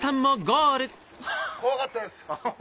怖かったです